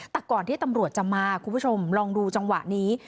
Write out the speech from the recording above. แต่ก่อนที่ตำรวจจะมาคุณผู้ชมลองดูจังหวะนี้